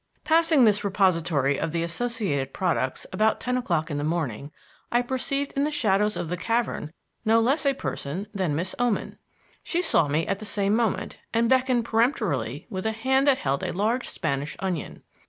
Passing this repository of the associated products about ten o'clock in the morning, I perceived in the shadows of the cavern no less a person than Miss Oman. She saw me at the same moment, and beckoned peremptorily with a hand that held a large Spanish onion.